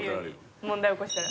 問題起こしたら。